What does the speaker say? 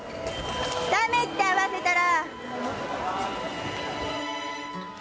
だめって合わせたら。